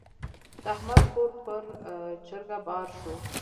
د احمد کور پر چرګه بار شو.